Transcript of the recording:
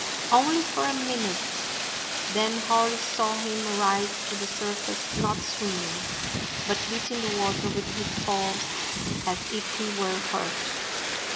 Only for a minute; then Hori saw him rise to the surface, not swim ming, but beating the water with his paws as if he were hurt.